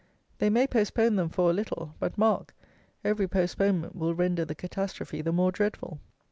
They may postpone them for a little; but mark, every postponement will render the catastrophe the more dreadful.